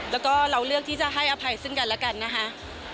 แล้วก็เราเลือกที่จะให้อภัยซึ่งกันแล้วกันนะคะ